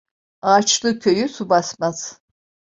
Ağaçlı köyü su basmaz.